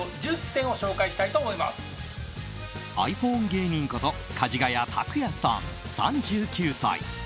ｉＰｈｏｎｅ芸人ことかじがや卓哉さん、３９歳。